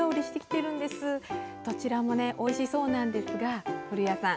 どちらもおいしそうなんですが古谷さん